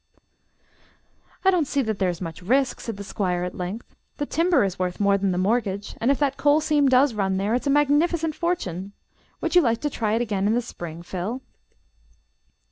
"I don't see that there is much risk," said the Squire, at length. "The timber is worth more than the mortgage; and if that coal seam does run there, it's a magnificent fortune. Would you like to try it again in the spring, Phil?"